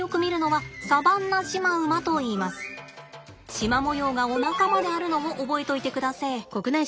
シマ模様がおなかまであるのを覚えといてくだせぇ。